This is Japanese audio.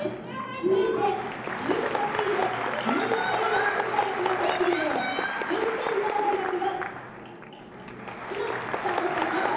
続いて１８位で新潟医療福祉大学が襷リレー、順天堂大学が今スタートしていきました。